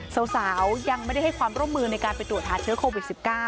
สาวยังไม่ได้ให้ความร่วมมือในการไปตรวจหาเชื้อโควิด๑๙